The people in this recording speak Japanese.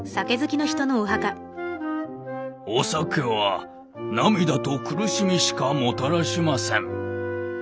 「お酒は涙と苦しみしかもたらしません。